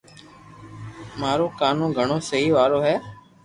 مارو ڪانو گھڻو مستي وارو ھي